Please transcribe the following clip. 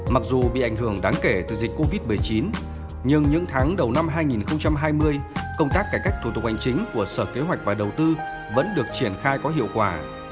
mặc dù bị ảnh hưởng đáng kể từ dịch covid một mươi chín nhưng những tháng đầu năm hai nghìn hai mươi công tác cải cách thủ tục hành chính của sở kế hoạch và đầu tư vẫn được triển khai có hiệu quả